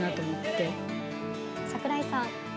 櫻井さん。